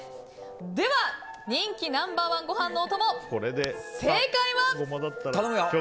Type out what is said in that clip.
では、人気ナンバー１ご飯のお供正解は。